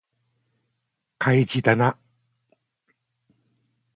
開示だな